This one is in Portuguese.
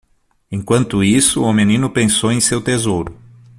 Enquanto isso, o menino pensou em seu tesouro.